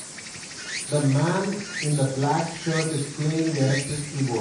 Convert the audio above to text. The man in the black shirt is playing the electric keyboard.